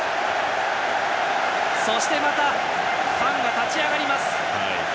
そしてまたファンが立ち上がります。